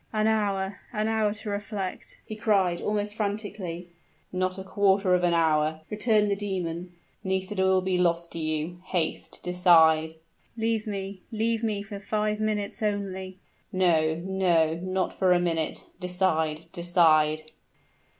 "An hour an hour to reflect!" he cried, almost frantically. "Not a quarter of an hour," returned the demon, "Nisida will be lost to you haste decide!" "Leave me leave me for five minutes only!" "No no, not for a minute. Decide decide!"